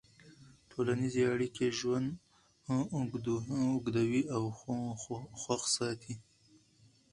ټولنیزې اړیکې ژوند اوږدوي او خوښ ساتي.